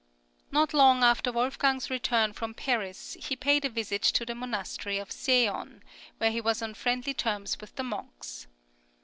Not long after Wolfgang's return from Paris, he paid a visit to the Monastery of Seeon, where he was on friendly terms with the monks.